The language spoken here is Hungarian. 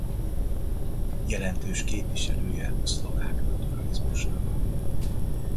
Jelentős képviselője a szlovák naturalizmusnak.